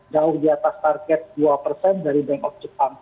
jauh di atas target dua persen dari bank of jepang